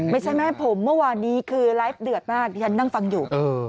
ไม่ใช่แม่ผมเมื่อวานนี้คือไลฟ์เดือดมากที่ฉันนั่งฟังอยู่